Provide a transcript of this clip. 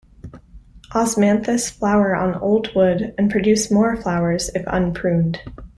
"Osmanthus" flower on old wood and produce more flowers if unpruned.